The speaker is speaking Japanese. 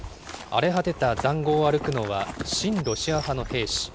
荒れ果てたざんごうを歩くのは、親ロシア派の兵士。